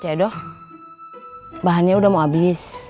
cik edo bahannya udah mau habis